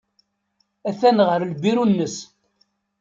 Atan ɣer lbiru-nnes.